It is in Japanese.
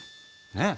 ねえ。